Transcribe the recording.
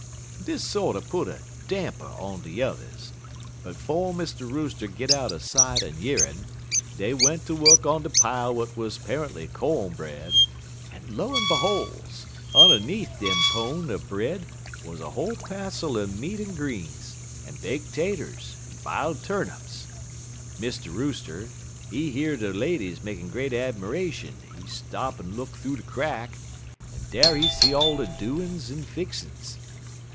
"Dis sorter put a damper on de yuthers, but 'fo' Mr. Rooster git outer sight en year'n dey went ter wuk on de pile w'at wuz 'pariently co'n bread, en, lo en beholes, un'need dem pone er bread wuz a whole passel er meat en greens, en bake' taters, en bile' turnips. Mr. Rooster, he year de ladies makin' great 'miration, en he stop en look thoo de crack, en dar he see all de doin's en fixin's.